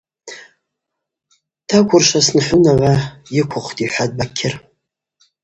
Даквуыршвызтын хӏунагӏва ыквухтӏ, – йхӏватӏ Бакьыр.